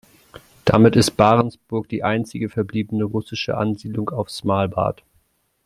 Damit ist Barentsburg die einzige verbliebene russische Ansiedlung auf Svalbard.